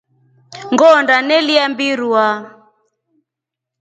Ngoonda yenlya mbirurwa.